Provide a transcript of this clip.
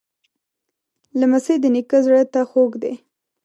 لمسی د نیکه زړه ته خوږ دی.